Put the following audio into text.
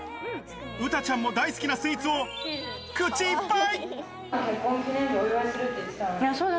美詩ちゃんも大好きなスイーツを口いっぱい。